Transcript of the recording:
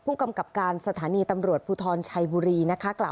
ผู้กำกับการสถานีตำรวจพูทรชัยบุรีนะคะ